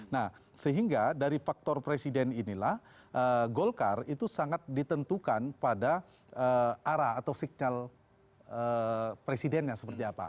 nah sehingga dari faktor presiden inilah golkar itu sangat ditentukan pada arah atau signal presidennya seperti apa